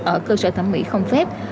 ở cơ sở thẩm mỹ không phép